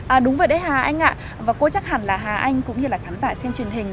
à đúng vậy đấy hà anh ạ và cô chắc hẳn là hà anh cũng như là khán giả xem truyền hình